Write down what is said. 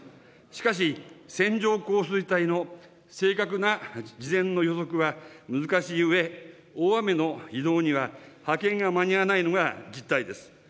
しかし、線状降水帯の正確な事前の予測は難しいうえ、大雨の移動には派遣が間に合わないのが実態です。